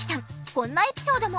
こんなエピソードも！